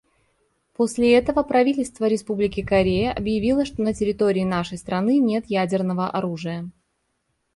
После этого правительство Республики Корея объявило, что на территории нашей страны нет ядерного оружия.